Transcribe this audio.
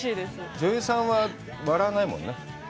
女優さんは、笑わないもんね？